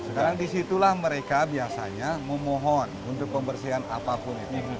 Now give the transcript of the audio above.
sekarang disitulah mereka biasanya memohon untuk pembersihan apapun itu